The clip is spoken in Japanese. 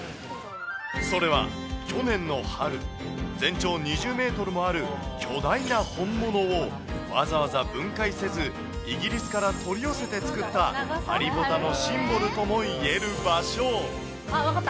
それは去年の春、全長２０メートルもある巨大な本物を、わざわざ分解せず、イギリスから取り寄せて作ったハリポタのシンボルともいえる場所。